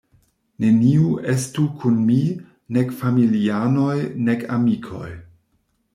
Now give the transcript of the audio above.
Neniu estu kun mi, nek familianoj nek amikoj.